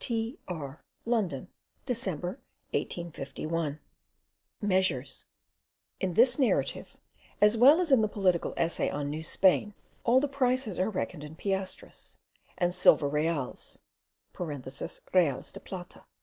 T.R. London, December 1851. MEASURES: In this narrative, as well as in the Political Essay on New Spain, all the prices are reckoned in piastres, and silver reals (reales de plata).